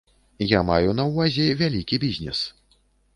Я маю на ўвазе вялікі бізнес.